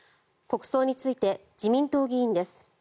国葬について自民党議員です。